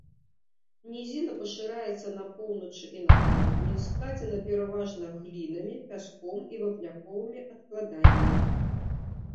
Нізіна пашыраецца на поўначы і на поўдні, складзена пераважна глінамі, пяском і вапняковымі адкладаннямі.